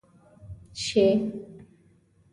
شي،